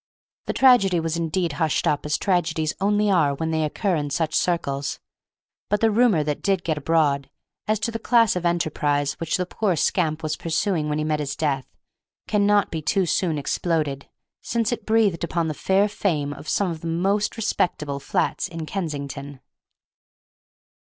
The tragedy was indeed hushed up, as tragedies only are when they occur in such circles. But the rumor that did get abroad, as to the class of enterprise which the poor scamp was pursuing when he met his death, cannot be too soon exploded, since it breathed upon the fair fame of some of the most respectable flats in Kensington.